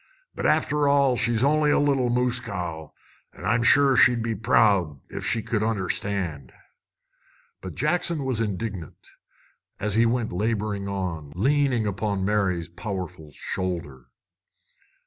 But, after all, she's only a little moose cow. An' I'm sure she'd be proud, ef she could understand!" But Jackson was indignant, as he went laboring on, leaning upon Mary's powerful shoulder.